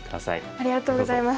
ありがとうございます。